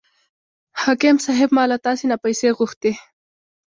حاکم صاحب ما له تاسې نه پیسې غوښتې.